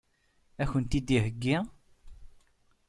Ad kent-tt-id-iheggi?